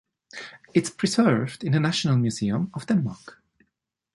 It’s preserved in the National Museum of Denmark.